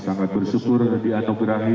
sangat bersyukur dan dianugerahi